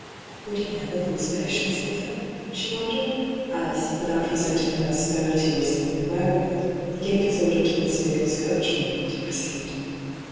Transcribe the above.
Would he never lose patience with her ? she wondered — as, without resenting her asperity or seeming aware of it, he gave his order to Miss Vigors' coachman to proceed.